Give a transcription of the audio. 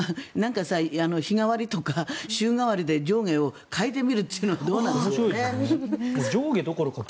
日替わりとか、週替わりとかで上下を変えてみるというのはどうなんですかね。